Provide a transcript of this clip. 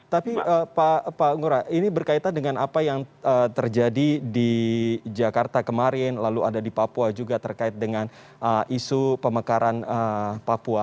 tapi pak ngurah ini berkaitan dengan apa yang terjadi di jakarta kemarin lalu ada di papua juga terkait dengan isu pemekaran papua